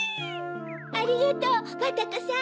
ありがとうバタコさん。